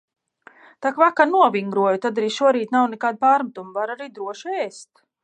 Tak vakar novingroju, tad arī šorīt nav nekādu pārmetumu – var arī droši ēst.